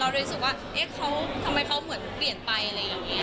รู้สึกว่าเอ๊ะเขาทำไมเขาเหมือนเปลี่ยนไปอะไรอย่างนี้